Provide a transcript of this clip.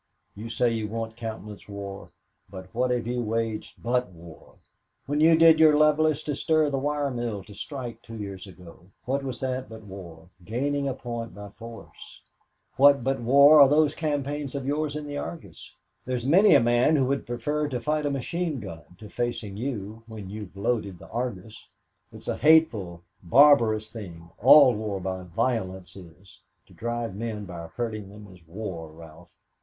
You say you won't countenance war, but what have you waged but war? When you did your levelest to stir the wire mill to strike two years ago, what was that but war gaining a point by force? What but war are those campaigns of yours in the Argus? There's many a man would prefer to face a machine gun to facing you when you've loaded the Argus. "It's a hateful, barbarous thing all war by violence is. To drive men by hurting them is war, Ralph.